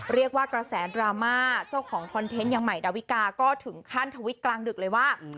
กระแสดราม่าเจ้าของคอนเทนต์อย่างใหม่ดาวิกาก็ถึงขั้นทวิตกลางดึกเลยว่า